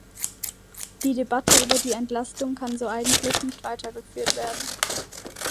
Die Debatte über die Entlastung kann so eigentlich nicht weitergeführt werden.